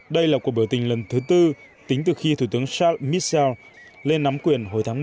đây là cuộc biểu tình lần thứ tư tính từ khi thủ tướng charles michel lên nắm quyền hồi tháng một mươi năm hai nghìn một mươi bốn